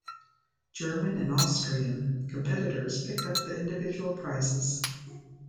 German and Austrian competitors picked up the individual prizes.